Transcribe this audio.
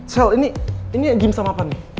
sel ini ini gim sama apa nih